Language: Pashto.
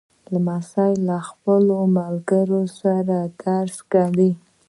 لمسی له خپلو ملګرو سره درس کوي.